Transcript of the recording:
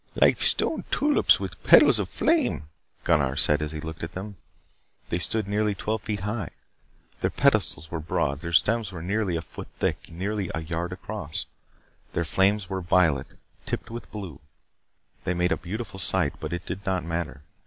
"Like stone tulips with petals of flame," Gunnar said as he looked at them. They stood nearly twelve feet high. Their pedestals were broad; their stems were nearly a foot thick, nearly a yard across. Their flames were violet, tipped with blue. They made a beautiful sight, but it did not matter.